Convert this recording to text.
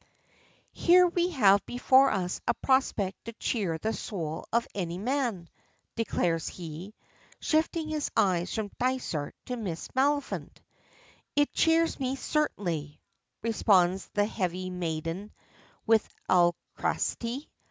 "Here we have before us a prospect to cheer the soul of any man," declares he, shifting his eyes from Dysart to Miss Maliphant. "It cheers me certainly," responds that heavy maiden with alacrity.